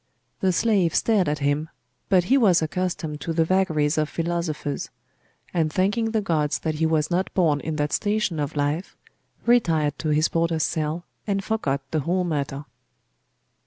The slave stared at him: but he was accustomed to the vagaries of philosophers; and thanking the gods that he was not born in that station of life, retired to his porter's cell, and forgot the whole matter.